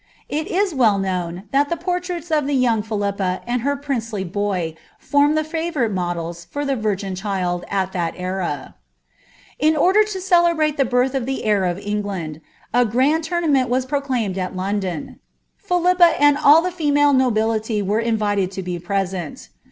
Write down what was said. It is well known, that the por the lovely young Philippa and her princely boy formed the Biodels, for the \ ir^in and Child, at that era. tr to ceiebrsie the birth of the heir of England, a grand tour wu proclaimed at London. Philippa and all the female nobility Mted to be present.